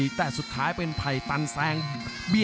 รับทราบบรรดาศักดิ์